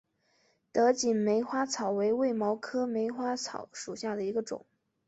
德钦梅花草为卫矛科梅花草属下的一个种。